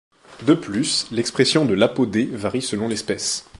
De plus, l'expression de l'ApoD varie selon l’espèce.